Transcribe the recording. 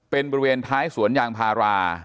เป็นบริเวณท้ายสวนยางพารา